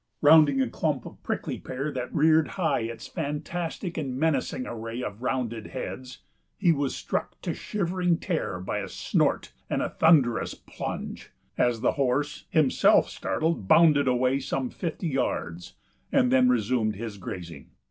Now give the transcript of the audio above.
Rounding a clump of prickly pear that reared high its fantastic and menacing array of rounded heads, he was struck to shivering terror by a snort and a thunderous plunge, as the horse, himself startled, bounded away some fifty yards, and then resumed his grazing.